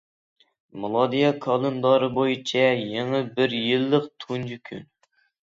مىلادىيە كالېندارى بويىچە يېڭى بىر يىللىق تۇنجى كۈن.